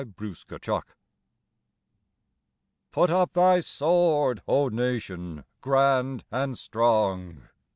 RECALL Put up thy sword, O Nation, grand and strong!